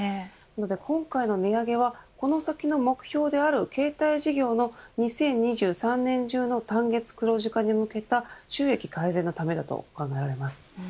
今回の値上げはこの先の目標である、携帯事業の２０２３年中の単月黒字化に向けた収益改善のためだと考えられます。